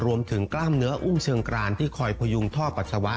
กล้ามเนื้ออุ้มเชิงกรานที่คอยพยุงท่อปัสสาวะ